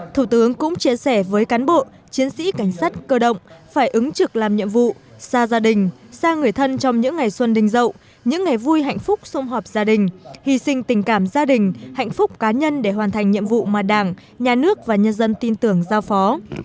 thủ tướng cũng chia sẻ với cán bộ chiến sĩ cảnh sát cơ động phải ứng trực làm nhiệm vụ xa gia đình xa người thân trong những ngày xuân đình dậu những ngày vui hạnh phúc xung họp gia đình hy sinh tình cảm gia đình hạnh phúc cá nhân để hoàn thành nhiệm vụ mà đảng nhà nước và nhân dân tin tưởng giao phó